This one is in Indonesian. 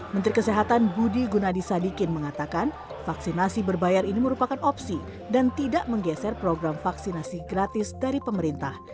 menteri kesehatan budi gunadisadikin mengatakan vaksinasi berbayar ini merupakan opsi dan tidak menggeser program vaksinasi gratis dari pemerintah